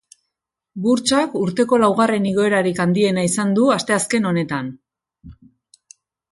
Burtsak urteko laugarren igoerarik handiena izan du asteazken honetan.